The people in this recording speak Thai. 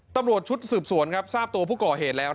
ตำรวจชุดสืบสวนครับทราบตัวผู้ก่อเหตุแล้ว